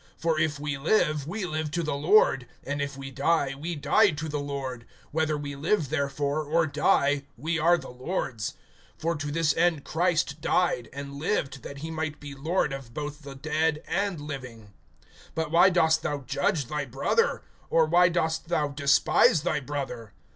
(8)For if we live, we live to the Lord; and if we die, we die to the Lord; whether we live therefore, or die, we are the Lord's. (9)For to this end Christ died, and lived, that he might be Lord of both the dead and living. (10)But why dost thou judge thy brother? Or why dost thou despise thy brother?